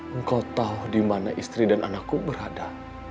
engkau tahu dimana istri dan anakku berada